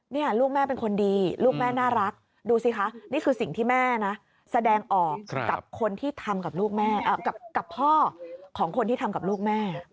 นี่ลูกแม่เป็นคนดีลูกแม่น่ารักดูสิคะนี่คือสิ่งที่แม่แสดงออกกับพ่อของคนที่ทำกับลูกแม่